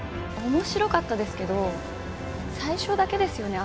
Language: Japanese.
面白かったですけど最初だけですよね？